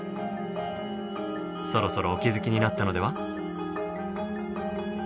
そろそろお気付きになったのでは？